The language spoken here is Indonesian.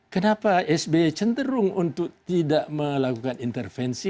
kenapa sby cenderung untuk tidak melakukan intervensi